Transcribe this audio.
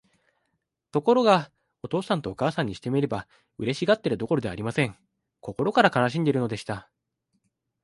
ところが、お父さんとお母さんにしてみれば、嬉しがっているどころではありません。心から悲しんでいるのでした。